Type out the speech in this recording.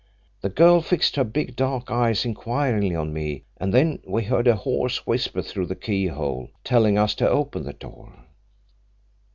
The girl fixed her big dark eyes inquiringly on me, and then we heard a hoarse whisper through the keyhole telling us to open the door.